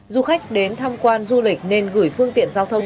du khách đến tham quan du lịch nên gửi phương tiện giao thông